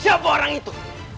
siapa orang itu